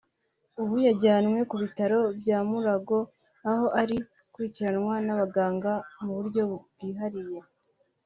ubu yajyanywe ku bitaro bya Mulago aho arimo gukurikiranwa n’abaganga mu buryo bwihariye